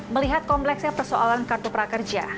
melihat kompleksnya persoalan kartu prakerja